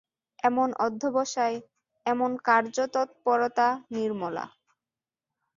এমন অধ্যবসায়, এমন কার্যতৎপরতা– নির্মলা।